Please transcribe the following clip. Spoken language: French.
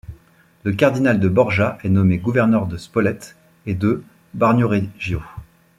Le cardinal de Borja est nommé gouverneur de Spolète et de Bagnoregio.